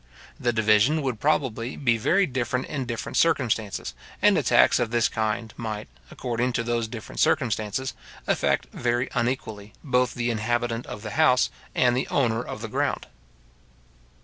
The division would probably be very different in different circumstances, and a tax of this kind might, according to those different circumstances, affect very unequally, both the inhabitant of the house and the owner of the ground.